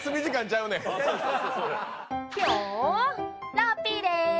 ラッピーです。